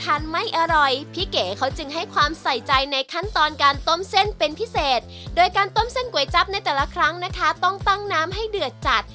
ไม่อร่อยพี่เก๋เขาจึงให้ความใส่ใจในขั้นตอนการต้มเส้นเป็นพิเศษโดยการต้มเส้นก๋วยจั๊บในแต่ละครั้งนะคะต้องตั้งน้ำให้เดือดจัด